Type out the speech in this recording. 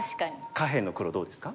下辺の黒どうですか？